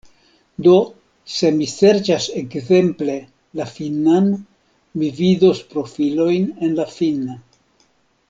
Do, se mi serĉas ekzemple la finnan, mi vidos profilojn en la finna.